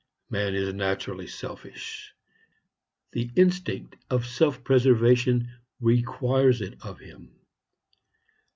Man is naturally selfish; the instinct of self preservation requires it of him.